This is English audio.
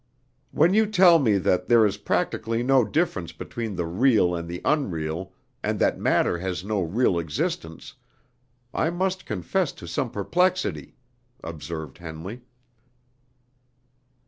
"When you tell me that there is practically no difference between the real and the unreal, and that matter has no real existence, I must confess to some perplexity," observed Henley.